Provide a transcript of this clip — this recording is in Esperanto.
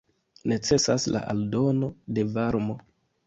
Necesas do aldono de varmo.